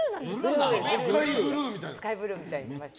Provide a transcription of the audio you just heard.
スカイブルーみたいにしました。